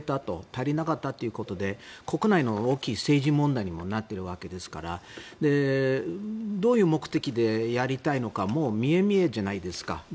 足りなかったということで国内の大きな政治問題にもなっているわけですからどういう目的でやりたいのかももう見え見えじゃないですか。